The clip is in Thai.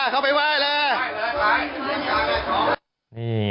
เข้าไปว่าทรมาน